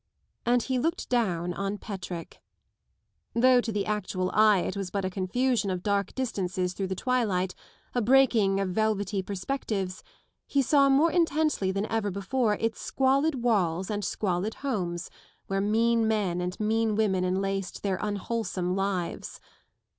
And he looked down on Petrick. Though to the actual eye it was but a confusion of dark distances through the twilight, a breaking of velvety perspectives, he saw more intensely than ever before its squalid walls and squalid homes where mean men and mean women enlaced their unwholesome lives.